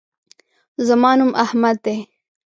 زما نوم احمد دے